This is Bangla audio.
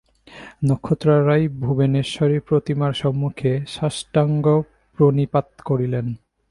নক্ষত্ররায় ভুবনেশ্বরী-প্রতিমার সম্মুখে সাষ্টাঙ্গ প্রণিপাত করিলেন।